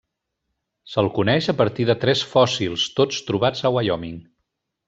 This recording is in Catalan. Se'l coneix a partir de tres fòssils, tots trobats a Wyoming.